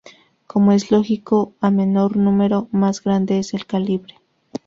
Como es lógico, a menor número, más grande es el calibre.